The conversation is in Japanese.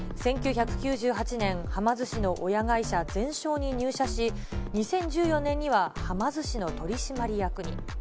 １９９８年、はま寿司の親会社、ゼンショーに入社し、２０１４年にははま寿司の取締役に。